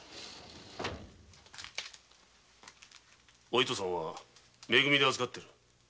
お糸さんはめ組で預かってる。